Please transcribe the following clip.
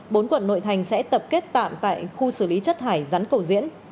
bốn quận nội thành sẽ tập kết tạm tại khu xử lý chất thải rắn cầu diễn